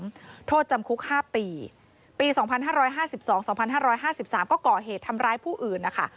โทษจำคุก๕ปีปี๒๕๕๒๒๕๕๓ก็ก่อเหตุทำร้ายผู้อื่นนะคะ